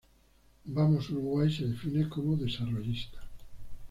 Vamos Uruguay se define como desarrollista.